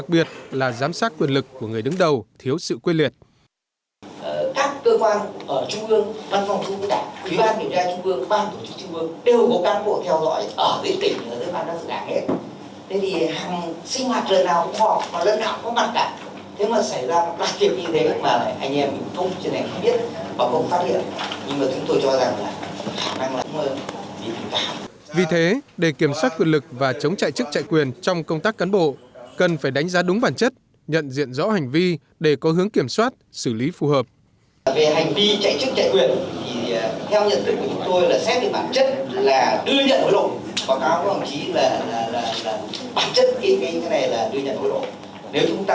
chính vì vậy việc ban hành một quy định về kiểm soát quyền lực và chống chạy chức chạy quyền trong công tác cán bộ là rất cần thiết và vấn đề này đang được ban tổ chức trung ương lấy ý kiến rõ